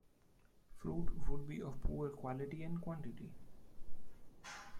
Fruit would be of poor quality and quantity.